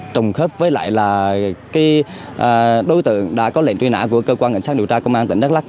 trùng khớp với lại là đối tượng đã có lệnh truy nã của cơ quan cảnh sát điều tra công an tỉnh đắk lắc